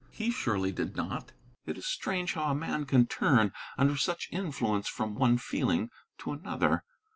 He surely did not. It is strange how a man can turn under such influence from one feeling to another.